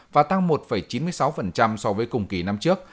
và tăng một chín mươi sáu so với cùng kỳ năm trước